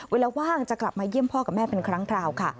ว่างจะกลับมาเยี่ยมพ่อกับแม่เป็นครั้งคราวค่ะ